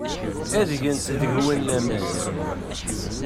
Ad gent deg-went laman.